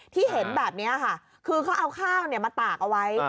ที่เห็นแบบนี้ค่ะคือเขาเอาข้าวมาตากเอาไว้